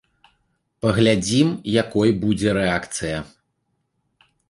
Паглядзім, якой будзе рэакцыя.